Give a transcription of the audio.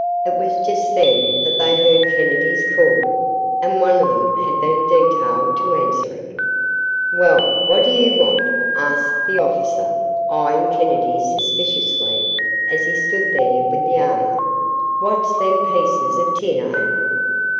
It was just then that they heard Kennedy's call, and one of them had been detailed to answer it. "Well, what do YOU want?" asked the officer, eyeing Kennedy suspiciously as he stood there with the armor. "What's them pieces of tin hey?"